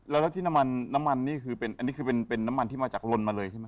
แล้วที่น้ำมันน้ำมันนี่คือเป็นอันนี้คือเป็นน้ำมันที่มาจากลนมาเลยใช่ไหม